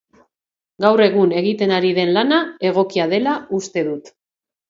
Gaur egun egiten ari den lana egokia dela uste dut.